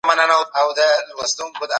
څه ډول له نورو وغواړو چي زموږ درناوی وکړي؟